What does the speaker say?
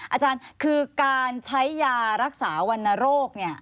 อาจารย์คือการใช้ยารักษาวัณโรค